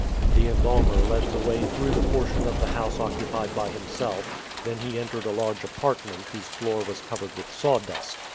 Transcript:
The embalmer led the way through the portion of the house occupied by himself, then he entered a large apartment whose floor was covered with sawdust.